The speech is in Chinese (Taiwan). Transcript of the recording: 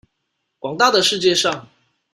廣大的世界上